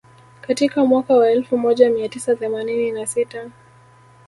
Katika mwaka wa elfu moja mia tisa themanini na sita